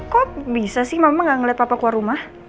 kok bisa sih mama gak ngeliat papa keluar rumah